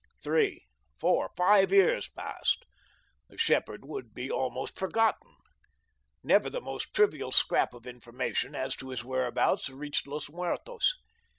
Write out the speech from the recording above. Three, four, five years passed. The shepherd would be almost forgotten. Never the most trivial scrap of information as to his whereabouts reached Los Muertos.